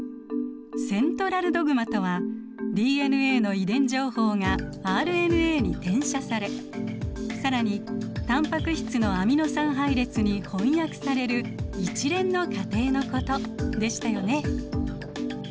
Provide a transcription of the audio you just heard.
セントラルドグマとはＤＮＡの遺伝情報がＲＮＡに転写され更にタンパク質のアミノ酸配列に翻訳される一連の過程のことでしたよね。